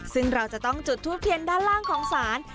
ซึ่งเราจะต้องจุดทูปเทียนด้านล่างของศาล